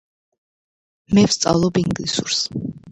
მე ვსწავლობ ინგლისურს